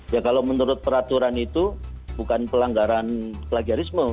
ya kalau menurut peraturan itu bukan pelanggaran plagiarisme